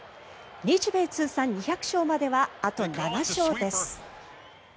日米通算２００勝まではあと７勝です。